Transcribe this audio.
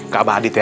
ke abah adit ya